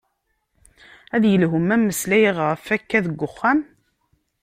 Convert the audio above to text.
Ad yelhu ma meslayeɣ ɣef akka deg uxxam?